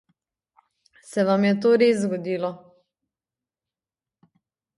Se vam je to res zgodilo?